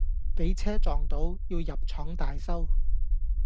畀車撞到，要入廠大修